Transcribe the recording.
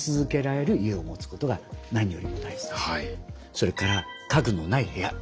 それから家具のない部屋。